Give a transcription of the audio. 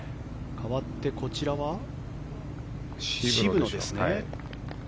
かわって、こちらは渋野ですね。